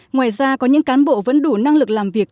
ngoài ra có những cán bộ vẫn đủ năng lực làm việc